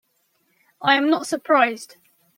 I am not surprised.